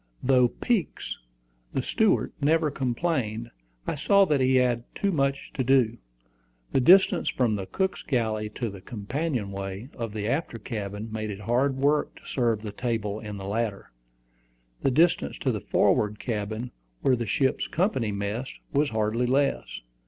Though Peeks, the steward, never complained, I saw that he had too much to do. The distance from the cook's galley to the companion way of the after cabin made it hard work to serve the table in the latter. The distance to the forward cabin, where the ship's company messed, was hardly less.